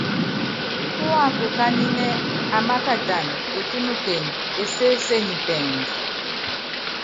Púákukányínɛ́, amákatana, etúnukene, esésenyi pɛɛndu.